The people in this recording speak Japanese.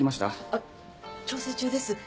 あっ調整中です